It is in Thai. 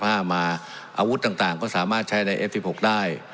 ไฟมาอาวุธต่างก็สามารถใช้ในเอฟทิฟภกได้